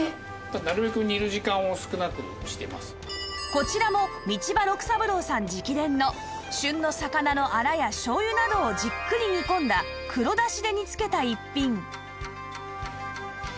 こちらも道場六三郎さん直伝の旬の魚のアラやしょうゆなどをじっくり煮込んだ黒だしで煮付けた逸品